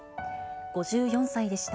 ５４歳でした。